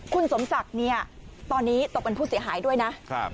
คุณสมศักดิ์เนี่ยตอนนี้ตกเป็นผู้เสียหายด้วยนะ